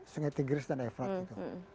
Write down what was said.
sungai tigris dan efrat gitu